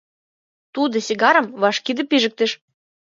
Тудо сигарым вашкыде пижыктыш.